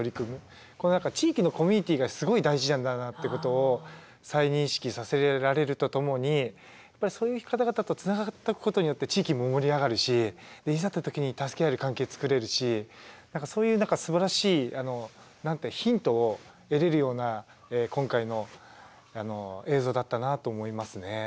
何か地域のコミュニティーがすごい大事なんだなってことを再認識させられるとともにやっぱりそういう方々とつながったことによって地域も盛り上がるしいざって時に助け合える関係作れるし何かそういうすばらしいヒントを得れるような今回の映像だったなと思いますね。